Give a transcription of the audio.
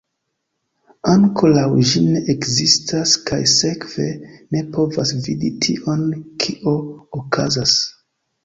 Ankoraŭ ĝi ne ekzistas kaj sekve, ne povas vidi tion kio okazas.